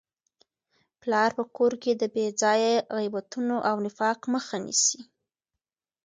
پلار په کور کي د بې ځایه غیبتونو او نفاق مخه نیسي.